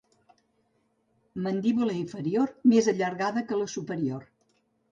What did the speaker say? Mandíbula inferior més allargada que la superior.